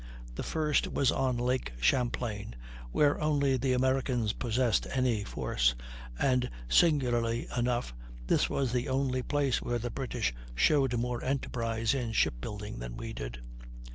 The first was on Lake Champlain, where only the Americans possessed any force, and, singularly enough, this was the only place where the British showed more enterprise in ship building than we did.